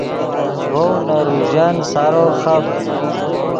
ڤؤ نے روژن سارو خب